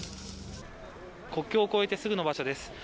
国境を越えてすぐの場所です。